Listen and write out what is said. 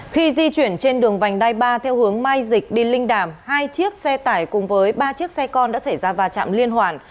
khi di chuyển trên đường vành đai ba theo hướng mai dịch đi linh đàm hai chiếc xe tải cùng với ba chiếc xe con đã xảy ra va chạm liên hoàn